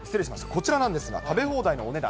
こちらなんですが、食べ放題のお値段